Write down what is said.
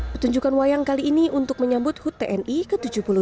petunjukan wayang kali ini untuk menyambut hut tni ke tujuh puluh dua